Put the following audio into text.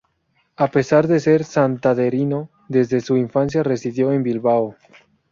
A pesar de ser santanderino, desde su infancia residió en Bilbao.